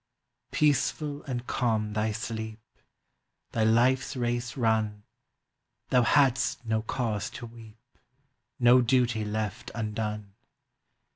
Peaceful and calm thy sleep! Thy life’s race run, Thou hadst no cause to weep, No duty left undone!